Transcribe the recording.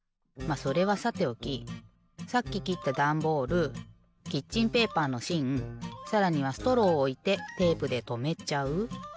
まっそれはさておきさっききったダンボールキッチンペーパーのしんさらにはストローをおいてテープでとめちゃう。